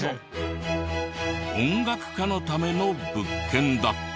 音楽家のための物件だった。